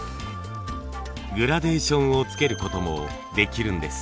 グラデーションをつけることもできるんです。